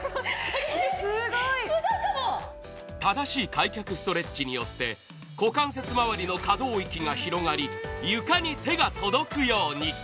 正しい開脚ストレッチによって股関節周りの可動域が広がり、床に手が届くように。